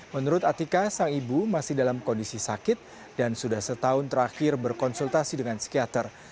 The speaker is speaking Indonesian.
menurut atika sang ibu masih dalam kondisi sakit dan sudah setahun terakhir berkonsultasi dengan psikiater